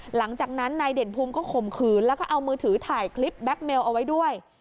หลังจากนั้นนายเด่นภูมิก็ข่มขืนแล้วก็เอามือถือถ่ายคลิปแก๊กเมลเอาไว้ด้วย